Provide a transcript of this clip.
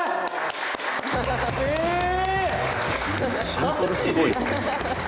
シンプルすごいわ。